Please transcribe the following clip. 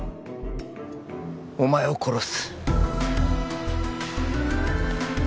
お前を殺す